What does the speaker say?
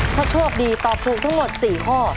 ถ้าโชคดีตอบถูกทั้งหมด๔ข้อ